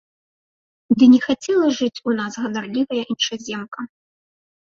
Ды не захацела жыць у нас ганарлівая іншаземка.